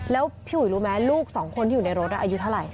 แล้วพี่อุ๋ยรู้ไหมลูกสองคนที่อยู่ในรถอายุเท่าไหร